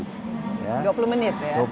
dua puluh menit ya